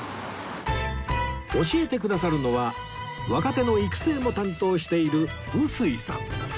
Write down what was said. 教えてくださるのは若手の育成も担当している碓井さん